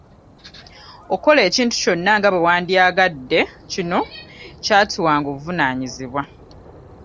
Okukola ekintu kyonna nga bwewandyagadde, kino kyatuwanga obuvunaanyizibwa.